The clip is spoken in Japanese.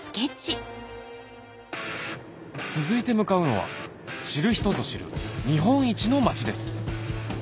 続いて向かうのは知る人ぞ知る日本一の町です